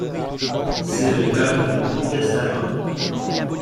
C'est le cas du Nouveau Testament.